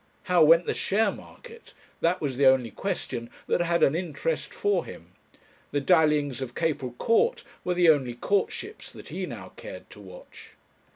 How went the share market? that was the only question that had an interest for him. The dallyings of Capel Court were the only courtships that he now cared to watch.